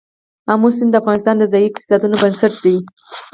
آمو سیند د افغانستان د ځایي اقتصادونو بنسټ دی.